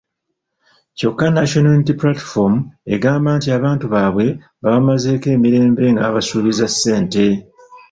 Kyokka National Unity Platform egamba nti abantu baabwe babamazeeko emirembe nga babasuubiza ssente.